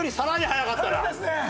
早かった！